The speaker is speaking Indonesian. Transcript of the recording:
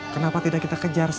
kenapa tidak kita kejar saja bos